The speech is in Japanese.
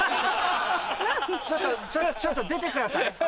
ちょっとちょっと出てください危ないので。